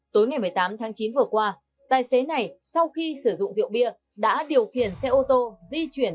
tối ngày một mươi tám tháng chín vừa qua tài xế này sau khi sử dụng rượu bia đã điều khiển xe ô tô di chuyển